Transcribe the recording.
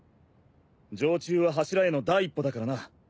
常中は柱への第一歩だからな。